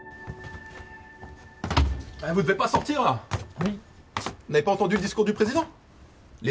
はい？